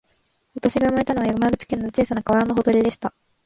私が生まれたのは、山口県の小さな川のほとりでした